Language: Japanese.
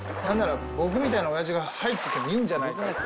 何なら僕みたいな親父が入っててもいいんじゃないか。